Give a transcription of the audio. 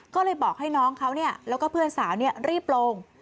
ก็เลยบอกให้น้องเขาเนี่ยแล้วก็เพื่อนสาวเนี่ยรีบลง